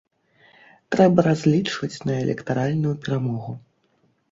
Трэба разлічваць на электаральную перамогу.